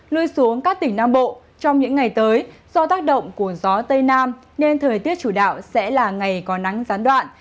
lui xuống các tỉnh nam bộ trong những ngày tới do tác động của gió tây nam nên thời tiết chủ đạo sẽ là ngày có nắng gián đoạn